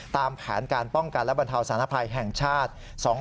ตามแผนการป้องกันและบรรเทาสารภัยแห่งชาติ